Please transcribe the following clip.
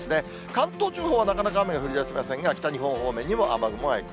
関東地方はなかなか雨が降りだしませんが、北日本方面にも雨雲がある。